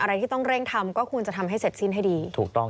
อะไรที่ต้องเร่งทำก็ควรจะทำให้เสร็จสิ้นให้ดีถูกต้อง